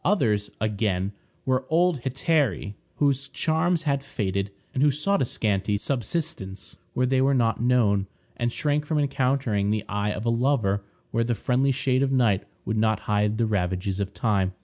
Others, again, were old hetairæ whose charms had faded, and who sought a scanty subsistence where they were not known, and shrank from encountering the eye of a lover where the friendly shade of night would not hide the ravages of time.